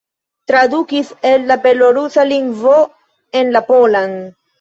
Tradukis el la belorusa lingvo en la polan.